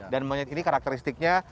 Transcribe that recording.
dan monyet ini karakteristiknya